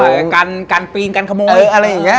เหมือนการปีนการขโมย